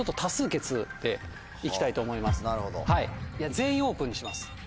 「全員オープン」にします。